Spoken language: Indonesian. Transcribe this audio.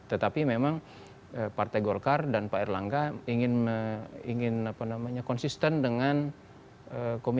tetapi memang partai golkar dan pak erlangga ingin konsisten dengan komitmen awal mereka yang sudah sampai ke sini